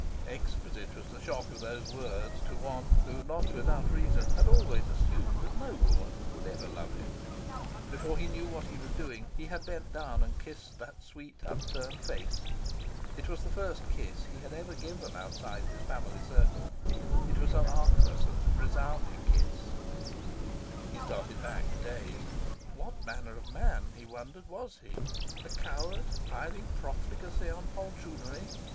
Exquisite was the shock of these words to one who, not without reason, had always assumed that no woman would ever love him. Before he knew what he was doing, he had bent down and kissed the sweet upturned face. It was the first kiss he had ever given outside his family circle. It was an artless and a resounding kiss. He started back, dazed. What manner of man, he wondered, was he? A coward, piling profligacy on poltroonery?